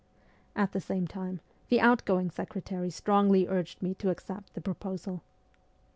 At the same time the out going secretary strongly urged me to accept the proposal.